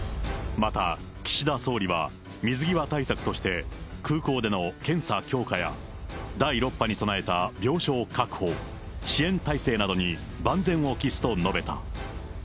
また、岸田総理は、水際対策として、空港での検査強化や第６波に備えた病床確保、支援体制などに万全を期すと述べた。